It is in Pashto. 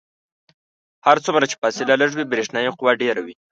هر څومره چې فاصله لږه وي برېښنايي قوه ډیره وي.